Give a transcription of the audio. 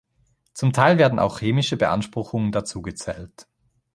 Zum Teil werden auch chemische Beanspruchungen dazugezählt.